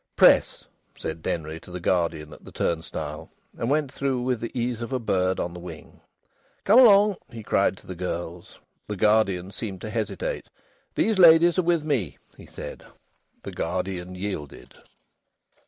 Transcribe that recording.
"Press," said Denry to the guardian at the turnstile, and went through with the ease of a bird on the wing. "Come along," he cried to the girls. The guardian seemed to hesitate. "These ladies are with me," he said. The guardian yielded.